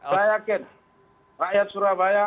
saya yakin rakyat surabaya